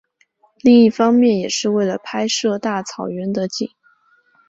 另一方面也是为了拍摄大草原的景。